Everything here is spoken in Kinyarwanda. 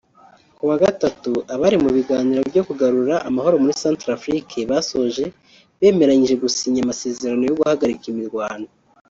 Kuwa Gatatu abari mu biganiro byo kugarura amahoro muri Centrafrique basoje bemeranyijwe gusinya amasezerano yo guhagarika imirwano